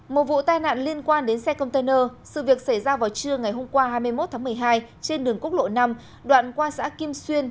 một vụ tai nạn liên quan đến xe container sự việc xảy ra vào trưa ngày hôm qua hai mươi một tháng một mươi hai trên đường quốc lộ năm đoạn qua xã kim xuyên